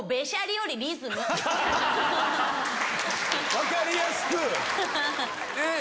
分かりやすく！